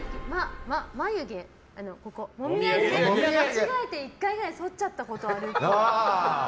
もみあげを間違えて１回ぐらいそっちゃったことあるっぽい。